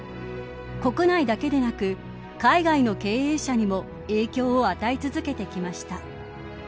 国内だけでなく海外の経営者にも影響を与え続けてきました。